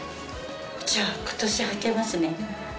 じゃあ今年はけますね。